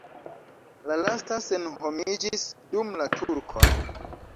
La lasta senhomiĝis dum la turkoj.